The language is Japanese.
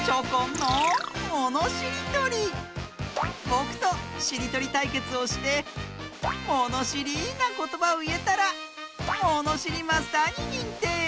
ぼくとしりとりたいけつをしてものしりなことばをいえたらもにしりマスターににんてい！